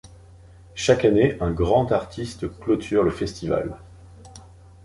Chaque année, un grand artiste clôture le festival.